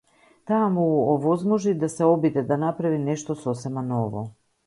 Тоа му овозможи да се обиде да направи нешто сосема ново.